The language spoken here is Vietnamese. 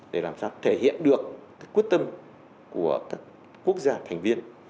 để làm sao thể hiện được quyết tâm của các quốc gia thành viên